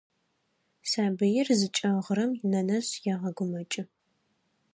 Сабыир зыкӏэгъырэм нэнэжъ егъэгумэкӏы.